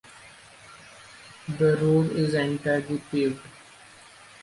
The road is entirely paved.